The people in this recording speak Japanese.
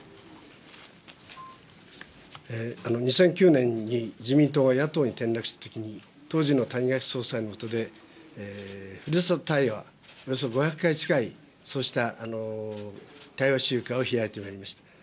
２００９年に自民党が野党に転落したときに、当時の谷垣総裁の下で、ふるさと対話、およそ５００回近いそうした対話集会を開いてまいりました。